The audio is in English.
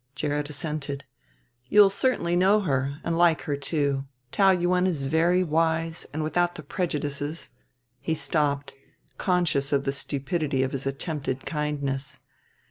Gerrit assented. "You'll certainly know her, and like her, too. Taou Yuen is very wise and without the prejudices " he stopped, conscious of the stupidity of his attempted kindness.